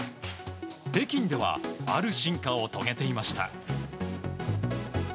北京ではある進化を遂げていました。